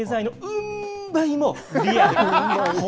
うん倍もリアル？